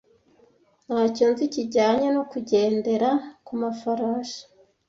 Ntacyo nzi kijyanye no kugendera ku mafarashi.